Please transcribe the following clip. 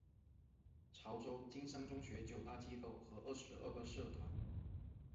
潮州金山中学九大机构和二十二个社团。